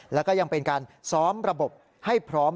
แล้วก็ยังเป็นการซ้อมระบบให้พร้อม